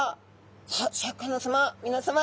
さあシャーク香音さまみなさま